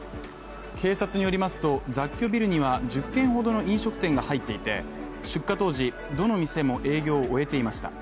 警察によりますと、雑居ビルには１０軒ほどの飲食店が入っていて、出火当時どの店も営業を終えていました。